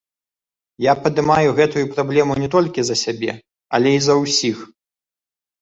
Я падымаю гэтую праблему не толькі за сябе, але і за ўсіх.